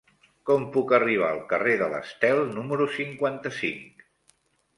Com puc arribar al carrer de l'Estel número cinquanta-cinc?